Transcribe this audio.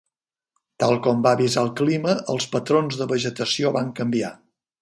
Tal com va avisar el clima, els patrons de vegetació van canviar.